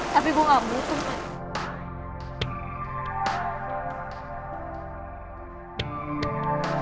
tapi gue gak butuh pak